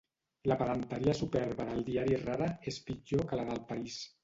La pedanteria superba del diari Rara és pitjor que la d'El París